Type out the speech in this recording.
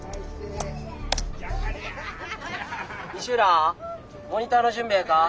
「西浦モニターの準備ええか？」。